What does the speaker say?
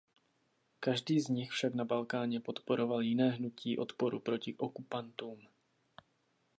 Každý z nich však na Balkáně podporoval jiné hnutí odporu proti okupantům.